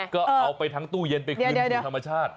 ก็เอาไปทั้งตู้เย็นไปคืนสู่ธรรมชาติ